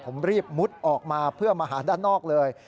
ผมรีบมุดออกมาเพื่อมาหาด้านนอกเลย